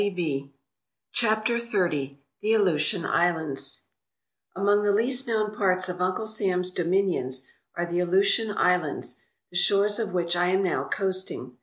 238 CHAPTER XXX * HE ALEUTIAN ISLANDS AONG the least known parts of Uncle Sam's dominions are the Aleutian Islands, the shores of which I am now coasting.